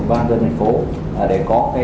bán dân thành phố để có